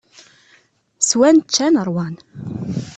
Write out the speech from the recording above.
Swan, ččan, ṛwan.